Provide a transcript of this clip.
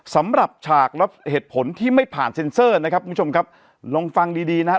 ฉากและเหตุผลที่ไม่ผ่านเซ็นเซอร์นะครับคุณผู้ชมครับลองฟังดีดีนะฮะ